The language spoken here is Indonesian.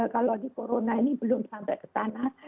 kalau di corona ini belum sampai ke sana